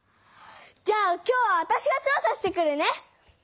じゃあ今日はわたしが調査してくるね！